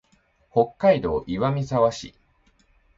北海道岩見沢市